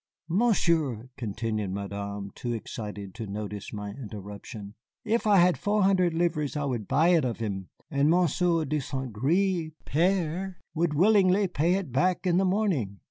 "Monsieur," continued Madame, too excited to notice my interruption, "if I had four hundred livres I would buy it of him, and Monsieur de Saint Gré père would willingly pay it back in the morning."